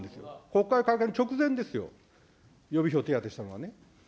国会開会の直前ですよ、予備費を手当てしたのはね。